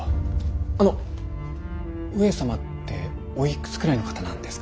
あの上様っておいくつくらいの方なんですか？